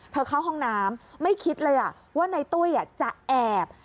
เข้าห้องน้ำไม่คิดเลยว่าในตุ้ยจะแอบ